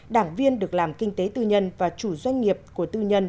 đảng viên được làm kinh tế tư nhân và chủ doanh nghiệp của tư nhân